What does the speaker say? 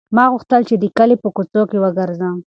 ما غوښتل چې د کلي په کوڅو کې وګرځم.